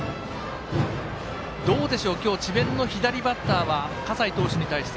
どうでしょう、今日智弁の左バッターは葛西投手に対して。